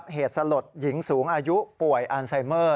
เหตุสลดหญิงสูงอายุป่วยอันไซเมอร์